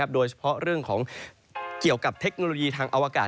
โดยเฉพาะเรื่องของเกี่ยวกับเทคโนโลยีทางอวกาศ